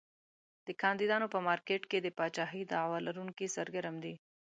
د کاندیدانو په مارکېټ کې د پاچاهۍ دعوی لرونکي سرګرم دي.